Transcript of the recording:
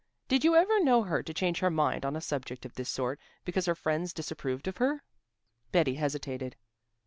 Did you ever know her to change her mind on a subject of this sort, because her friends disapproved of her?" Betty hesitated.